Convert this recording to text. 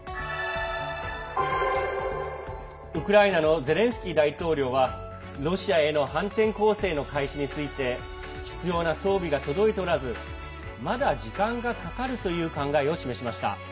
ウクライナのゼレンスキー大統領はロシアへの反転攻勢の開始について必要な装備が届いておらずまだ時間がかかるという考えを示しました。